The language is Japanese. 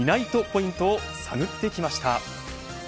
ポイントを探ってきました。